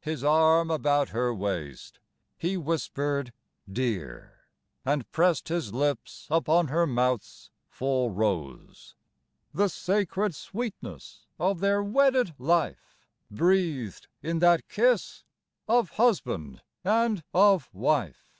His arm about her waist, he whispered "Dear," And pressed his lips upon her mouth's full rose— The sacred sweetness of their wedded life Breathed in that kiss of husband and of wife.